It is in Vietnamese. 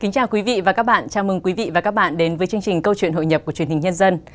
chào mừng quý vị đến với chương trình câu chuyện hội nhập của truyền hình nhân dân